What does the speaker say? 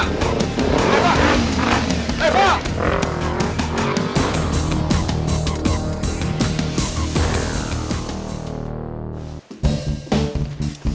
lalu juga balik lagi dia